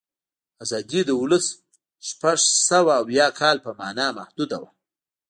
آزادي د اوولسسوهشپږاویا کال په معنا محدوده وه.